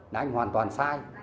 là anh hoàn toàn sai